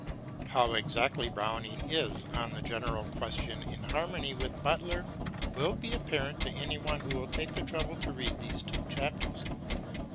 How exactly Browning is on the general question in harmony with Butler will be apparent to any one who will take the trouble to read these two chapters.